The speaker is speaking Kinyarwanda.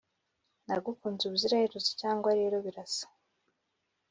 nagukunze ubuziraherezo, cyangwa rero birasa.